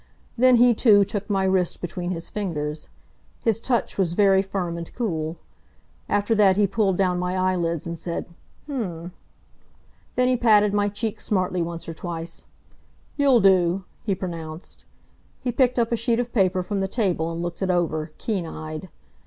Then he too took my wrist between his fingers. His touch was very firm and cool. After that he pulled down my eyelids and said, "H'm." Then he patted my cheek smartly once or twice. "You'll do," he pronounced. He picked up a sheet of paper from the table and looked it over, keen eyed.